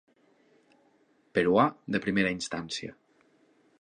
Peruà de primera instància.